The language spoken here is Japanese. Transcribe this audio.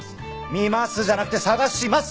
「みます」じゃなくて「探します」！